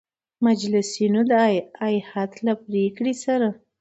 مجلسینو د هیئت له پرېکړې سـره